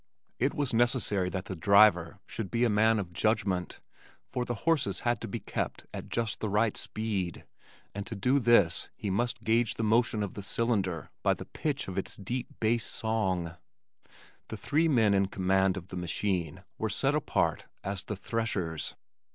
It was necessary that the "driver" should be a man of judgment, for the horses had to be kept at just the right speed, and to do this he must gauge the motion of the cylinder by the pitch of its deep bass song. The three men in command of the machine were set apart as "the threshers."